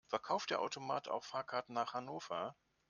Verkauft der Automat auch Fahrkarten nach Hannover?